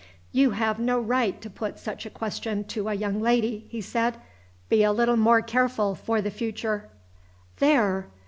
"You have no right to put such a question to a young lady," he said. "Be a little more careful for the future." "There!